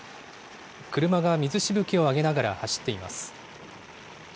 車が水しぶきを上げながら走っています。